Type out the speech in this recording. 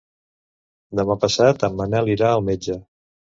Demà passat en Manel irà al metge.